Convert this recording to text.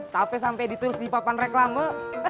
tapi sampai ditulis di papan reklame